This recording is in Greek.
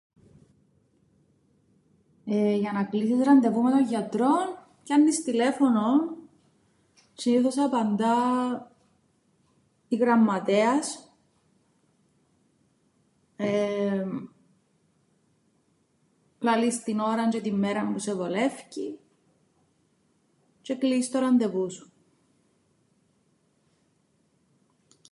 Ε για να κλείσεις ραντεβού με το γιατρόν πιάννεις τηλέφωνον, συνήθως απαντά η γραμματέας, εεεμ λαλείς την ώραν τζ̆αι την μέραν που σε βολεύκει τζ̆αι κλείεις το ραντεβού σου.